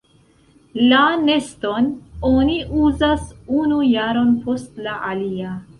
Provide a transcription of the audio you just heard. La neston oni uzas unu jaron post la alia.